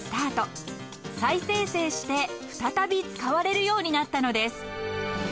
［再生成して再び使われるようになったのです］